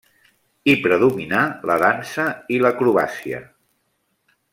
Hi predominà la dansa i l'acrobàcia.